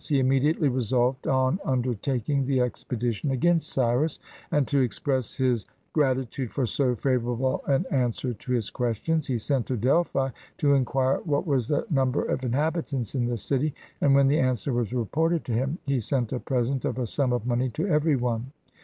He immediately resolved on undertaking the expedition against Cyrus; and to express his gratitude for so favor able an answer to his questions, he sent to Delphi to inquire what was the number of inhabitants in the city, and, when the answer was reported to him, he sent a present of a sum of money to every one.